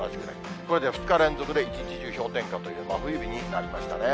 これで２日連続で一日中氷点下という真冬日になりましたね。